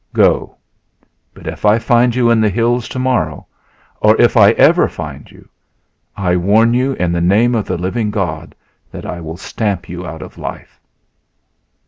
Go! But if I find you in the hills tomorrow, or if I ever find you, I warn you in the name of the living God that I will stamp you out of life!"